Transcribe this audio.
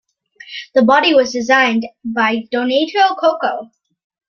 The body was designed by Donato Coco.